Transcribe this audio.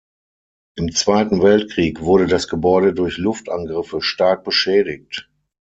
Im Zweiten Weltkrieg wurde das Gebäude durch Luftangriffe stark beschädigt.